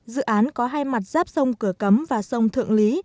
dự án có hai mặt giáp sông cửa cấm và sông thượng lý